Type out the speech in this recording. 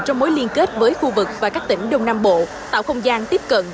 trong mối liên kết với khu vực và các tỉnh đông nam bộ tạo không gian tiếp cận